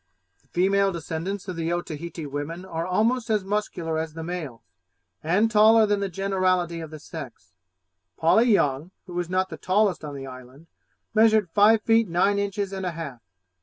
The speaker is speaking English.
The female descendants of the Otaheite women are almost as muscular as the males, and taller than the generality of the sex. Polly Young, who is not the tallest on the island, measured five feet nine inches and a half.